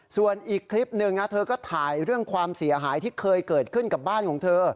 ส่วนอีกคลิปหนึ่งเธอก็ถ่ายเรื่องความเสียหายที่เคยเกิดขึ้นกับบ้านของเธอ